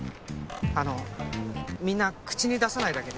あのみんな口に出さないだけで。